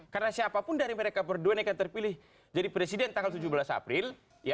karena siapapun dari mereka berduanya yang akan terpilih jadi presiden tanggal tujuh belas april